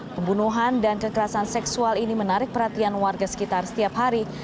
pembunuhan dan kekerasan seksual ini menarik perhatian warga sekitar setiap hari